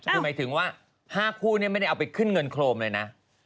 คือหมายถึงว่า๕คู่นี้ไม่ได้เอาไปขึ้นเงินโครมเลยนะ